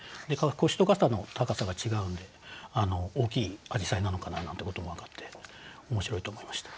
腰と肩の高さが違うんで大きいアジサイなのかななんてことも分かって面白いと思いました。